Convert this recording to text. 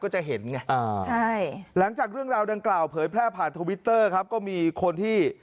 หลังจากเรื่องราวดังกล่าวเผยแพร่ผ่านทวิตเตอร์ก็มีคนที่